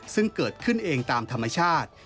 ซึ่งเกิดขึ้นเองตามธรรมชาติ